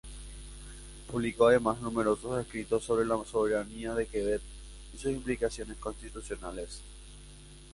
Publicó además numerosos escritos sobre la soberanía de Quebec y sus implicaciones constitucionales.